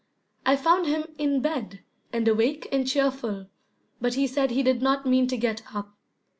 I found him in bed and awake and cheerful, but he said he did not mean to get up.